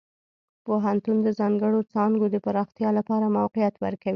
پوهنتون د ځانګړو څانګو د پراختیا لپاره موقعیت ورکوي.